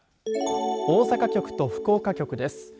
大阪局と福岡局です。